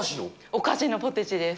お菓子のポテチです。